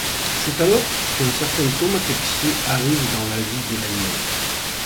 C'est alors qu'un certain Thomas Texier arrive dans la vie d'Hélène.